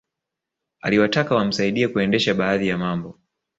Aliwataka wamsaidie kuendesha baadhi ya mambo